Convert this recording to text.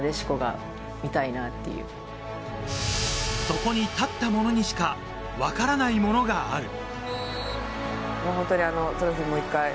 そこに立ったものにしか分からないものがある。